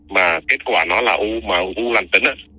mà kết quả nó là u mà u lành tính